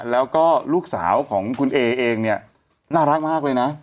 แล้วก็ลูกสาวของคุณเอเองเนี่ยน่ารักมากเลยนะ